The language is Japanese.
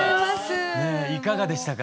いかがでしたか？